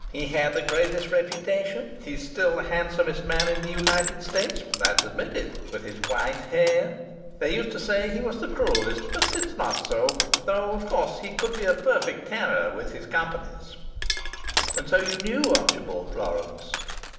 He had the greatest reputation. He's still the handsomest man in the United States that's admitted with his white hair! They used to say he was the cruellest, but it's not so. Though of course he could be a perfect terror with his companies." "And so you knew Archibald Florance?"